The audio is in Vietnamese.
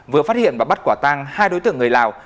vừa phát hiện và bắt quả tang hai đối tượng người lào